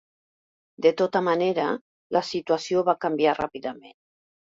De tota manera, la situació va canviar ràpidament.